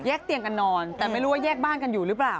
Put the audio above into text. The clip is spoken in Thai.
เตียงกันนอนแต่ไม่รู้ว่าแยกบ้านกันอยู่หรือเปล่า